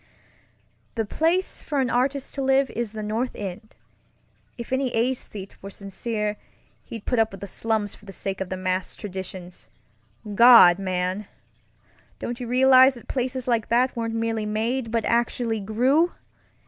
"The place for an artist to love is the North End. If any esthete were sincere, he'd put up with the slums for the sake of the massed traditions. God, man! Don't you realize that places like that weren't merely made, but actually grew?